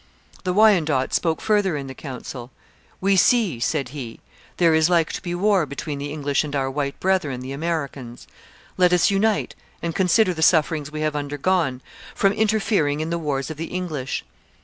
The Wyandot spoke further in the council. We see, said he, there is like to be war between the English and our white brethren, the Americans. Let us unite and consider the sufferings we have undergone, from interfering in the wars of the English.